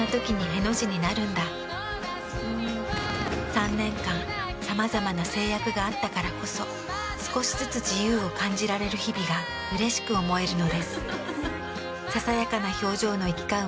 ３年間さまざまな制約があったからこそ少しずつ自由を感じられる日々がうれしく思えるのです。